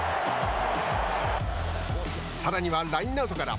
さらにはラインアウトから。